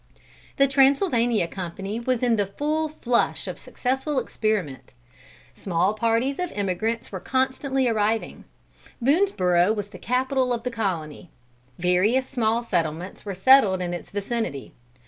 The Transylvania Company was in the full flush of successful experiment. Small parties of emigrants were constantly arriving. Boonesborough was the capital of the colony. Various small settlements were settled in its vicinity.